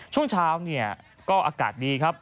ช่วงเช้าเนี่ยก็อากาศดีครับ